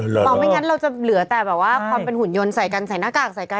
เราไม่งั้นเราจะเหลือแต่แบบว่าความเป็นหุ่นยนต์ใส่กันใส่หน้ากากใส่กัน